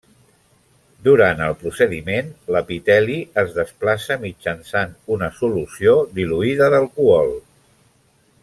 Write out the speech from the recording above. Durant el procediment, l'epiteli es desplaça mitjançant una solució diluïda d'alcohol.